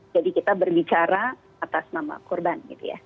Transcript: jadi kita berbicara atas nama korban